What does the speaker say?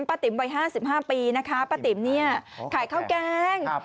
ติ๋มวัย๕๕ปีนะคะป้าติ๋มเนี่ยขายข้าวแกง